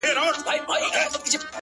• تېرېدل د سلطان مخي ته پوځونه,